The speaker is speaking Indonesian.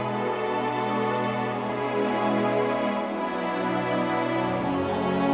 aku tak peduli ke makasih istriku semua